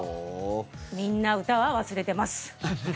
みんな歌は忘れてます。